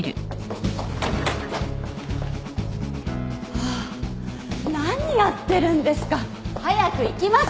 あぁ何やってるんですか早く行きますよ。